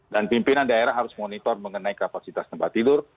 dan pimpinan daerah harus monitor mengenai kapasitas tempat tidur